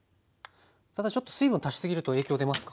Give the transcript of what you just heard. ちょっと水分足しすぎると影響出ますか？